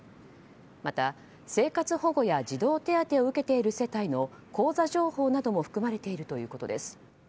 また生活保護や児童手当を受けている世帯の口座情報なども含まれているということです。